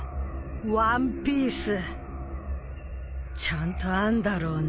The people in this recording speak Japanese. ワンピースちゃんとあんだろうな！